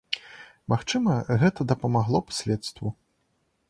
Магчыма, гэта дапамагло б следству!